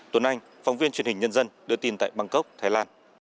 tuấn anh phóng viên truyền hình nhân dân đưa tin tại bangkok thái lan